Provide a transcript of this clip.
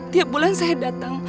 tiap bulan saya datang